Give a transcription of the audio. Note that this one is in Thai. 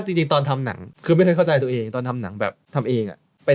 แต่จริงเพิ่งเข้าใจว่าเป็นคนแบบนี้